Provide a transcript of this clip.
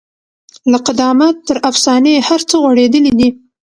له قدامت تر افسانې هر څه غوړېدلي دي.